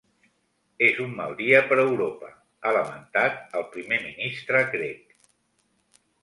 És un mal dia per Europa, ha lamentat el primer ministre grec.